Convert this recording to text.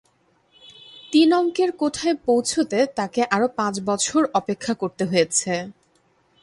তিন অঙ্কের কোটায় পৌঁছতে তাকে আরও পাঁচ বছর অপেক্ষা করতে হয়েছে।